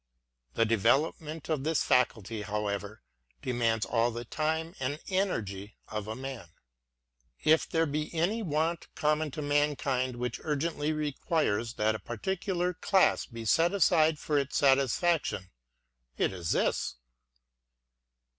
The development of this faculty, however, de mands all the time and energy of a man: — if there be anv 52 LBOTUBfl iv. want common to mankind which urgently requires that a particular class be sel aside for its satisfaction, it is this.